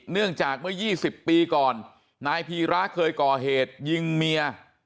เนื่องจากเมื่อ๒๐ปีก่อนนายพีระเคยก่อเหตุยิงเมีย